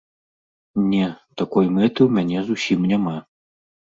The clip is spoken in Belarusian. Не, такой мэты ў мяне зусім няма.